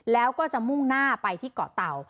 แล้วก็จะมุ่งหน้าไปที่เกาะเตา